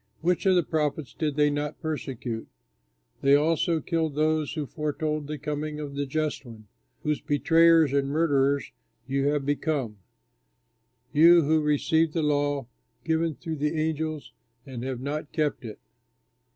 Which of the prophets did they not persecute? They also killed those who foretold the coming of the Just One, whose betrayers and murderers you have become you who received the law given through angels, and have not kept it!"